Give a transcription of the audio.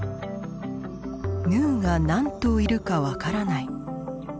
ヌーが何頭いるかわからない。